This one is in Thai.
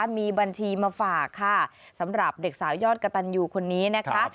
มีบัญชีมาฝากค่ะสำหรับเด็กสาวยอดกระตันยูคนนี้นะคะ